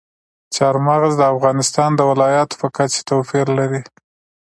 چار مغز د افغانستان د ولایاتو په کچه توپیر لري.